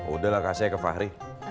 udah lah kasih aja ke fahri